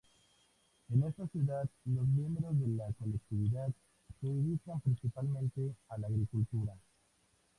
En esta ciudad los miembros de la colectividad se dedican principalmente a la agricultura.